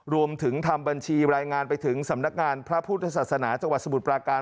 รวมถึงทำบัญชีรายงานไปถึงสำนักงานพระพุทธศาสนาจังหวัดสมุทรปราการ